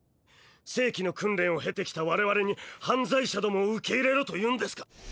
正規の訓練を経てきた我々に犯罪者どもを受け入れろというんですか！